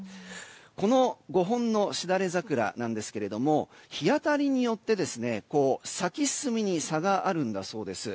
この５本のしだれ桜ですが日当たりによって咲き進みに差があるんだそうです。